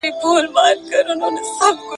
دروغ له ریښتیا څخه خوندور ښکاري.